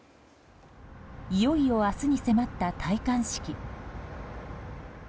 いよいよ明日に迫った戴冠式。